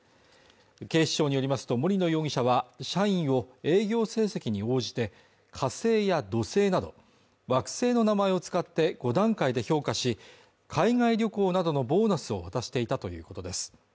警視庁によりますと森野容疑者は、社員を営業成績に応じて火星や土星など惑星の名前を使って５段階で評価し、海外旅行などのボーナスを果たしていたということです。